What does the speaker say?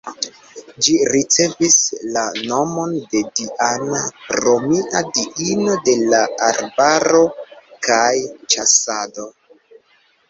Ĝi ricevis la nomon de Diana, romia diino de la arbaro kaj ĉasado.